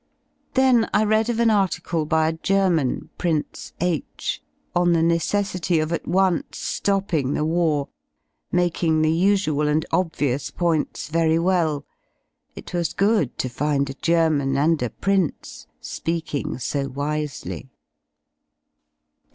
Then I read of an article by a r German, Prince H , on the necessity of at once topping t the war, making the usual and obvious points very well; it \^ was good to find a German and a prince.speaking so wisely.